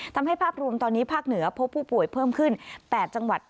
ทำให้ภาพรวมตอนนี้ภาคเหนือพบผู้ป่วยเพิ่มขึ้น๘จังหวัด